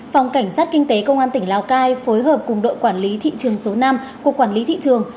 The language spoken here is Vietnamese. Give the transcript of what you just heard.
phòng cảnh sát kinh tế công an tỉnh lào cai phối hợp cùng đội quản lý thị trường số năm của quản lý thị trường